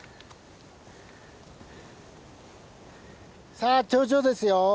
さあ頂上ですよ。